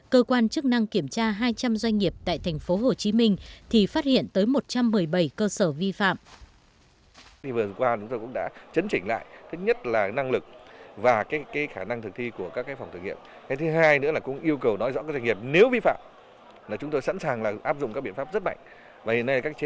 cơ quan chức năng kiểm tra hai trăm linh doanh nghiệp tại thành phố hồ chí minh